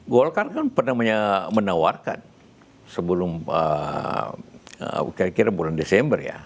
golkar kan pernah menawarkan sebelum kira kira bulan desember ya